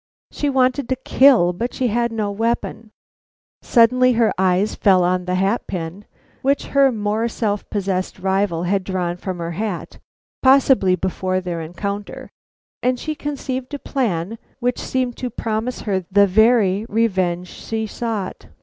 She wanted to kill; but she had no weapon. Suddenly her eyes fell on the hat pin which her more self possessed rival had drawn from her hat, possibly before their encounter, and she conceived a plan which seemed to promise her the very revenge she sought.